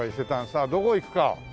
さあどこへ行くか。